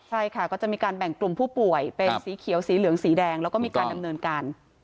ใช่ค่ะก็จะมีการแบ่งกลุ่มผู้ป่วยเป็นสีเขียวสีเหลืองสีแดงแล้วก็มีการดำเนินการ